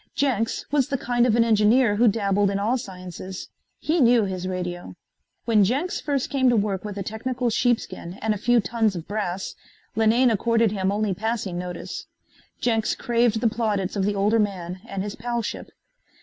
Jenks was the kind of an engineer who dabbled in all sciences. He knew his radio. When Jenks first came to work with a technical sheepskin and a few tons of brass, Linane accorded him only passing notice. Jenks craved the plaudits of the older man and his palship.